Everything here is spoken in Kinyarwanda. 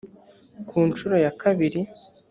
ku nshuro ya kabiri